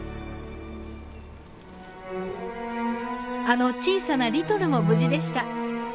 あの小さなリトルも無事でした。